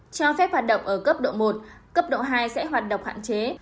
cho phép hoạt động ở cấp độ một cấp độ hai sẽ hoạt động hạn chế